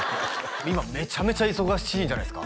今めちゃめちゃ忙しいんじゃないですか？